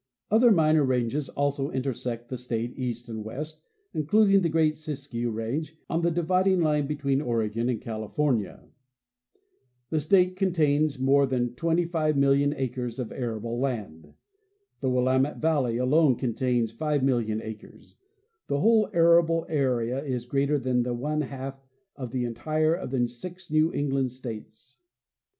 Other minor ranges also intersect the state east and west, including the great Siskiyou range on the dividing line between Oregon and California. The state contains more than 25,000,000 acres of arable land. The Willamette valley alone contains 5,000,000 acres. The whole arable area is greater than the one half of the entire area of the six New England states.